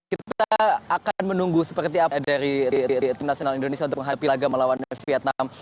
kita akan menunggu seperti apa dari tim nasional indonesia untuk menghadapi laga melawan vietnam